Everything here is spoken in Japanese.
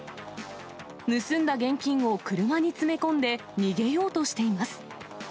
盗んだ現金を車に詰め込んで、逃げようとしています。